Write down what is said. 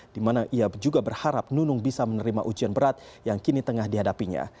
di mana ia juga berharap nunung bisa menerima ujian berat yang kini tengah dihadapinya